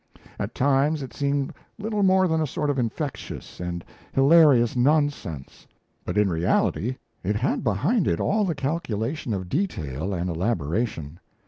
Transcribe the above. At times it seemed little more than a sort of infectious and hilarious nonsense; but in reality it had behind it all the calculation of detail and elaboration.